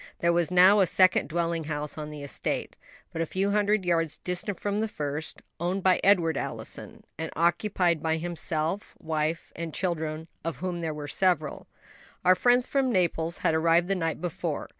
There was now a second dwelling house on the estate, but a few hundred yards distant from the first, owned by Edward Allison, and occupied by himself, wife, and children, of whom there were several. Our friends from Naples had arrived the night before.